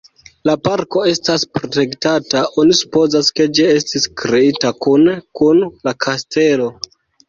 La parko estas protektata, oni supozas, ke ĝi estis kreita kune kun la kastelo.